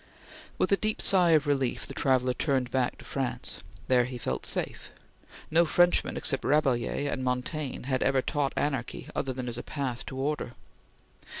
With a deep sigh of relief, the traveller turned back to France. There he felt safe. No Frenchman except Rabelais and Montaigne had ever taught anarchy other than as path to order.